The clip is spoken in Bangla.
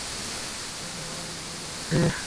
এইজন্যই আমরা এই দুর্ভোগে পরেছি!